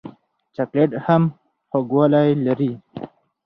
چاکلېټ هم خوږوالی لري.